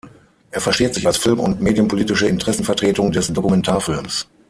Er versteht sich als film- und medienpolitische Interessenvertretung des Dokumentarfilms.